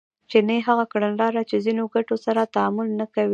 جیني هغه کړنلاره چې ځینو ګټو سره تعامل نه کوي